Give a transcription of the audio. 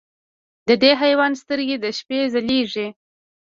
د دې حیوان سترګې د شپې ځلېږي.